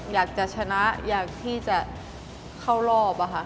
อยากจะชนะอยากที่จะเข้ารอบอะค่ะ